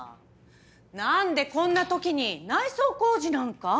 なんでこんな時に内装工事なんか？